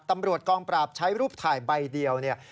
ตำรวจกองปราบใช้รูปถ่ายใบเดียวเนี่ย